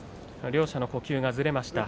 両者の呼吸がずれました。